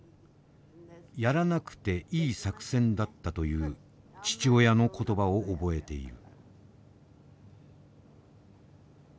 「やらなくていい作戦だった」という父親の言葉を覚えている。